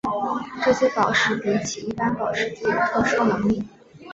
这些宝石比起一般宝石具有特殊能力。